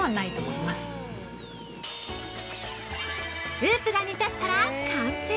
◆スープが煮立ったら完成。